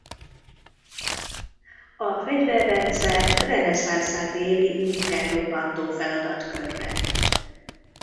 A fegyverrendszer reneszánszát éli bunker-robbantó feladatkörben.